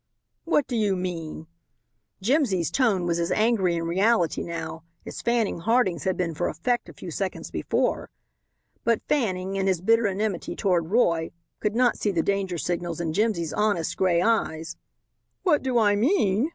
"What do you mean?" Jimsy's tone was as angry in reality now as Fanning Harding's had been for effect a few seconds before. But Fanning, in his bitter enmity toward Roy, could not see the danger signals in Jimsy's honest gray eyes. "What do I mean?"